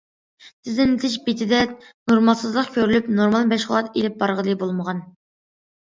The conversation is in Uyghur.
تىزىملىتىش بېتىدە نورمالسىزلىق كۆرۈلۈپ، نورمال مەشغۇلات ئېلىپ بارغىلى بولمىغان.